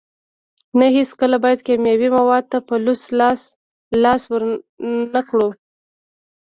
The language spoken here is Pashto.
نه هیڅکله باید کیمیاوي موادو ته په لوڅ لاس لاس ورنکړو.